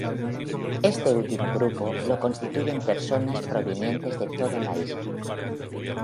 Este último grupo lo constituyen personas provenientes de toda la isla.